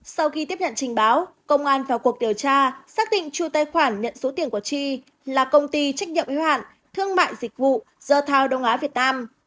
sau khi tiếp nhận trình báo công an vào cuộc điều tra xác định chủ tài khoản nhận số tiền của chi là công ty trách nhiệm yếu hạn thương mại dịch vụ dơ thao đông á việt nam